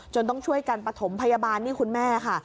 ต้องช่วยกันประถมพยาบาลนี่คุณแม่ค่ะ